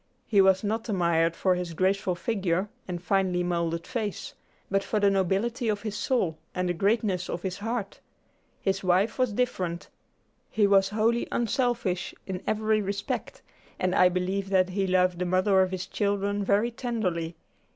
He was not admired for his graceful figure and finely moulded face, but for the nobility of his soul and the greatness of his heart. His wife was different. He was wholly unselfish in every respect, and I believe that he loved the mother of his children very tenderly.